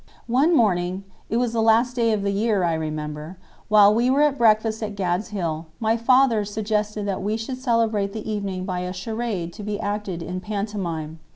One morning—it was the last day of the year, I remember—while we were at breakfast at "Gad's Hill," my father suggested that we should celebrate the evening by a charade to be acted in pantomime.